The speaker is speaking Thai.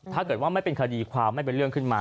ถ้าเกิดว่าไม่เป็นคดีความไม่เป็นเรื่องขึ้นมา